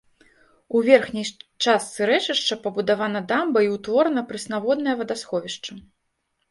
У верхняй частцы рэчышча пабудавана дамба і ўтворана прэснаводнае вадасховішча.